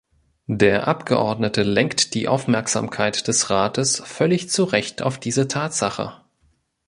Der Abgeordnete lenkt die Aufmerksamkeit des Rates völlig zu Recht auf diese Tatsache.